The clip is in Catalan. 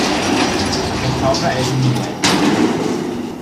Aquesta obra és un minuet.